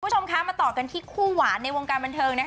คุณผู้ชมคะมาต่อกันที่คู่หวานในวงการบันเทิง